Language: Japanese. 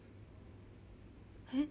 えっ？